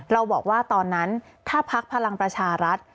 เราบอกว่าตอนนั้นถ้าพักพลังประชารัฐ